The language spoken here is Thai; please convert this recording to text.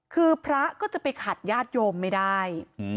คือพระก็จะไปขัดญาติโยมไม่ได้